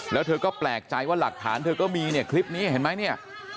แล้วเธอก็แปลกใจว่าหลักฐานเธอก็มีเนี่ยคลิปนี้เห็นไหมเนี่ย